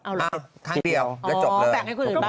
ข้างเดียกก็จบเลย